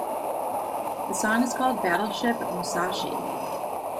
The song is called Battleship Musashi.